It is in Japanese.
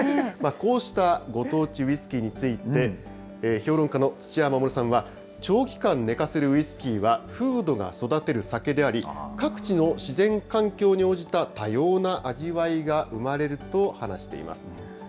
こうしたご当地ウイスキーについて、評論家の土屋守さんは、長期間寝かせるウイスキーは風土が育てる酒であり、各地の自然環境に応じた多様な味わいが生まれると話しています。